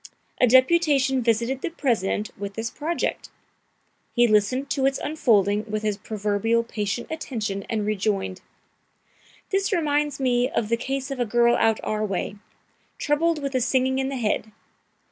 A deputation visited the President with this project. He listened to its unfolding with his proverbial patient attention, and rejoined: "This reminds me of the case of a girl out our way, troubled with a singing in the head.